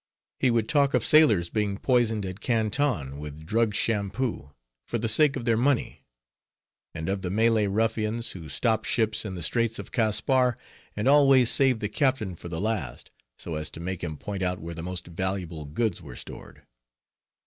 He would talk of sailors being poisoned at Canton with drugged "shampoo," for the sake of their money; and of the Malay ruffians, who stopped ships in the straits of Caspar, and always saved the captain for the last, so as to make him point out where the most valuable goods were stored.